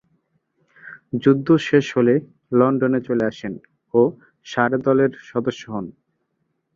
যুদ্ধ শেষ হলে লন্ডনে চলে আসেন ও সারে দলের সদস্য হন।